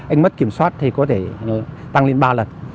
anh mất kiểm soát thì có thể tăng lên ba lần